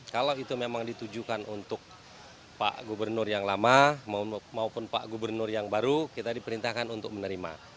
kalau itu memang ditujukan untuk pak gubernur yang lama maupun pak gubernur yang baru kita diperintahkan untuk menerima